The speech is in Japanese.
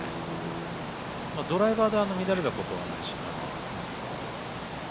ドライバーであんま乱れたことないしな。